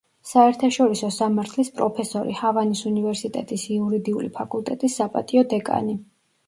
საერთაშორისო სამართლის პროფესორი, ჰავანის უნივერსიტეტის იურიდიული ფაკულტეტის საპატიო დეკანი.